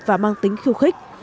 và mang tính khiêu khích